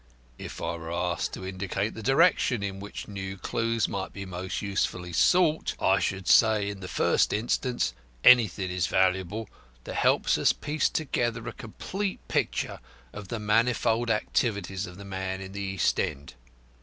If I were asked to indicate the direction in which new clues might be most usefully sought, I should say, in the first instance, anything is valuable that helps us to piece together a complete picture of the manifold activities of the man in the East end.